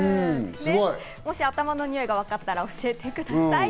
もし頭のにおいがわかったら教えてください。